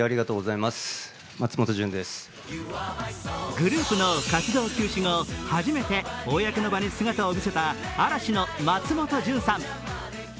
グループの活動休止後初めて公の場に姿を見せた嵐の松本潤さん。